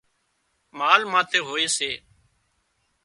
مال ماٿي هوئي سي